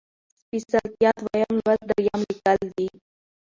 سپېڅلتيا ، دويم لوستل ، دريم ليکل دي